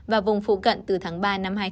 và vùng phụ cận từ tháng ba năm hai nghìn hai mươi